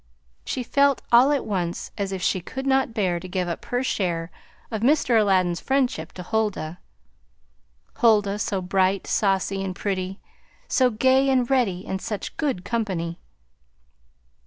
She felt all at once as if she could not bear to give up her share of Mr. Aladdin's friendship to Huldah: Huldah so bright, saucy, and pretty; so gay and ready, and such good company!